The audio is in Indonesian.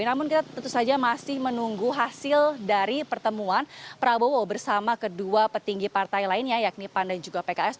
namun kita tentu saja masih menunggu hasil dari pertemuan prabowo bersama kedua petinggi partai lainnya yakni pan dan juga pks